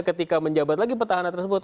ketika menjabat lagi petahana tersebut